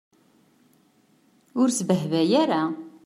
Ur sbehbay ara.